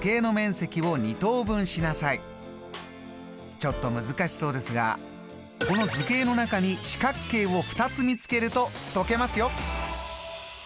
ちょっと難しそうですがこの図形の中に四角形を２つ見つけると解けますよ。